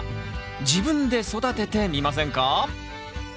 自分で育ててみませんか？